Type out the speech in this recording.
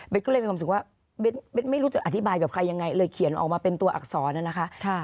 ก็เลยมีความรู้สึกว่าไม่รู้จะอธิบายกับใครยังไงเลยเขียนออกมาเป็นตัวอักษรน่ะนะคะ